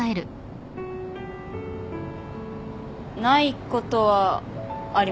ないことはありません。